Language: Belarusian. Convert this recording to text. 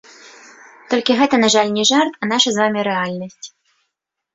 Толькі гэта, на жаль, не жарт, а наша з вамі рэальнасць.